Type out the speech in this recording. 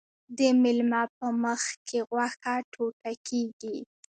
د میلمه په مخکې غوښه ټوټه کیږي.